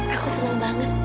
aku senang banget